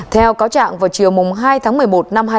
theo cáo trạng vào chiều hai tháng một mươi một năm hai nghìn